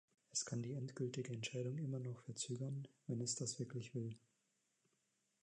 Es kann die endgültige Entscheidung immer noch verzögern, wenn es das wirklich will.